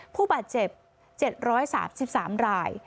ผู้บาดเจ็บ๗๓๓ราย